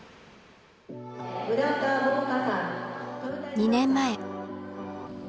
２年前。